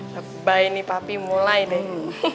coba ini papi mulai deh